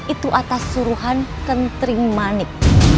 itu atas suruhan kentring manik